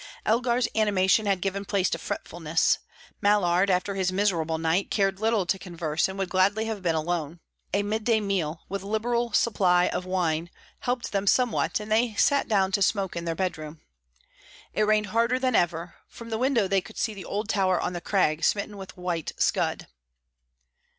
Elgar's animation had given place to fretfulness; Mallard, after his miserable night, cared little to converse, and would gladly have been alone. A midday meal, with liberal supply of wine, helped them somewhat, and they sat down to smoke in their bedroom. It rained harder than ever; from the window they could see the old tower on the crag smitten with white scud.